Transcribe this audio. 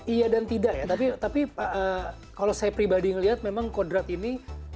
iya dan tidak ya tapi tapi kalo saya pribadi ngeliat memang kodrat ini